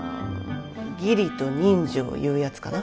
義理と人情いうやつかな。